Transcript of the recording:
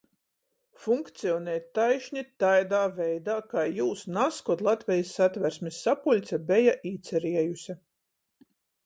Funkcionej taišni taidā veidā, kai jūs nazkod Latvejis Satversmis sapuļce beja īceriejuse.